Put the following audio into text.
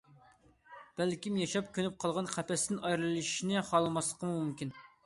بەلكىم ياشاپ كۆنۈپ قالغان قەپەستىن ئايرىلىشىنى خالىماسلىقىمۇ مۇمكىن.